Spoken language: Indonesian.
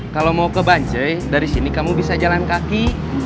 kalau mau ke banjai dari sini kamu bisa jalan kaki